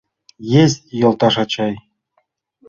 Есть, йолташ ачай!